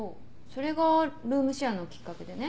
それがルームシェアのきっかけでね。